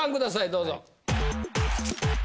どうぞ！